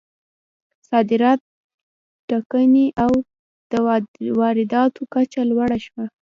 صادرات ټکني او د وارداتو کچه لوړه شوه.